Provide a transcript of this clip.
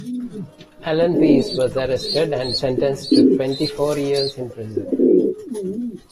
Allen Pace was arrested and sentenced to twenty-four years in prison.